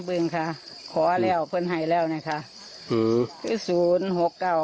เบิ้งค่ะขอแล้วเพิ่งให้แล้วเนี้ยค่ะอืมคือศูนย์หกเก้า